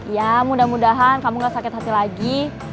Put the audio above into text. ya mudah mudahan kamu gak sakit hati lagi